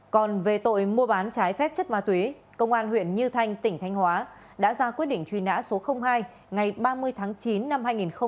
còn về tội mua bán trái phép chất ma túy công an huyện như thanh tỉnh thanh hóa đã ra quyết định truy nã số hai ngày ba mươi tháng chín năm hai nghìn một mươi ba